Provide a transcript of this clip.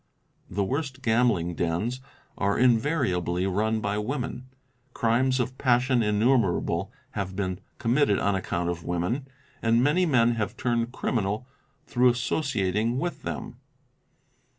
The worst gambling dens are invariably run by women, crimes of passion innumerable have been conunitted on account of women, and many men have turned criminal through associating with them.